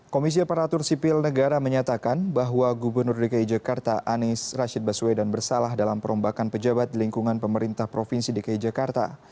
komisi aparatur sipil negara menyatakan bahwa gubernur dki jakarta anies rashid baswedan bersalah dalam perombakan pejabat di lingkungan pemerintah provinsi dki jakarta